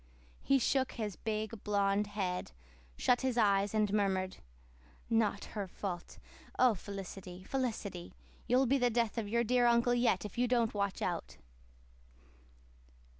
He shook his big, blond head, shut his eyes, and murmured, "Not her fault! Oh, Felicity, Felicity, you'll be the death of your dear Uncle yet if you don't watch out."